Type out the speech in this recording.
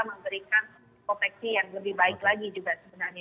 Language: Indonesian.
memberikan proteksi yang lebih baik lagi juga sebenarnya